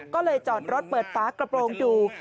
ก็เลยจอดรถเปิดฝากระโปรงอยู่